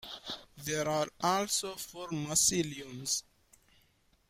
There are also four mausoleums.